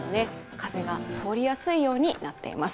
風が通りやすいようになっています。